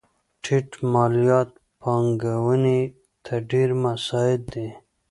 ټیټ مالیات پانګونې ته ډېر مساعد دي.